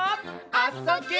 「あ・そ・ぎゅ」